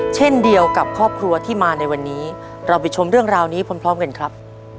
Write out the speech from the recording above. เช่นเดียวกับครอบครัวที่มาในวันนี้เราไปชมเรื่องราวนี้พร้อมกันครับ